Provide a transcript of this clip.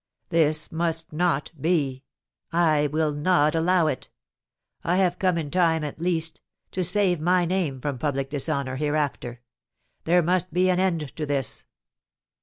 This must not be, I will not allow it. I have come in time, at least, to save my name from public dishonour hereafter. There must be an end to this."